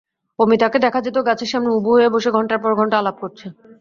অমিতাকে দেখা যেত গাছের সামনে উবু হয়ে বসে ঘন্টার পর ঘন্টা আলাপ করছে।